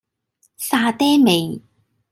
沙嗲味